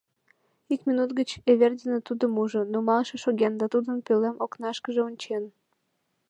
Ик минут гыч Эвердина тудым ужо: “нумалше” шоген да тудын пӧлем окнашкыже ончен.